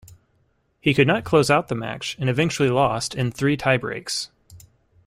He could not close out the match and eventually lost in three tiebreaks.